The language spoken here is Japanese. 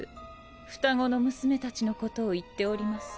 双子の娘達のことを言っております。